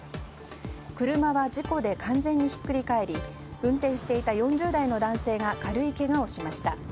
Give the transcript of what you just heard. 車は事故で完全にひっくり返り運転していた４０代の男性が軽いけがをしました。